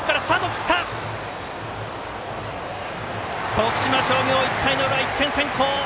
徳島商業、１回の裏、１点先行！